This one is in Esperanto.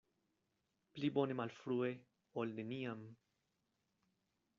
Pli bone malfrue, ol neniam.